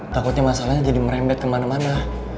takutnya masalahnya jadi merembet kemana mana